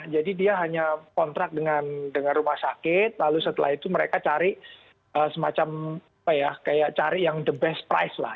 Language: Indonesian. jadi dia hanya kontrak dengan rumah sakit lalu setelah itu mereka cari semacam kayak cari yang the best price lah